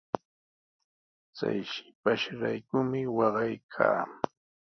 Chay shipashraykumi waqaykaa.